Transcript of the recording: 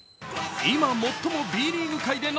今最もＢリーグ界でノ